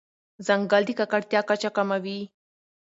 ځنګل د ککړتیا کچه کموي.